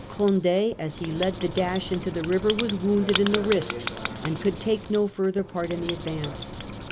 Conde, as he led the dash into the river, was wounded in the wrist, and could take no further part in the advance.